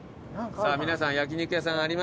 さあ皆さん焼肉屋さんあります？